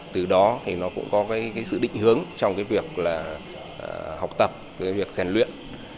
từ đó thì nó cũng có sự định hướng trong việc học tập việc sàn luyện